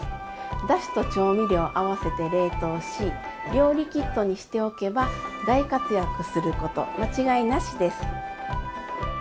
だしと調味料を合わせて冷凍し料理キットにしておけば大活躍すること間違いなしです！